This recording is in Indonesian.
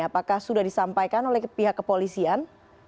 apakah sudah disampaikan oleh pihak kepolisian